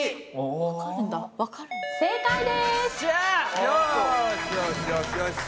正解です！